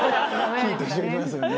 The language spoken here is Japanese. ヒートしてきますよね。